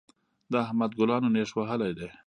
د احمد ګلانو نېښ وهلی دی.